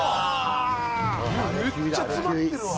めっちゃ詰まってるわ。